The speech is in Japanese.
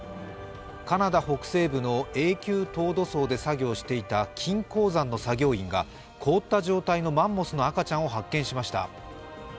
カナダ北西部の永久凍土層で作業をしていた金鉱山の作業員が凍った状態のマンモスの赤ちゃんを発見しました。